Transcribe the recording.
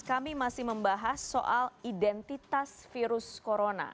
kami masih membahas soal identitas virus corona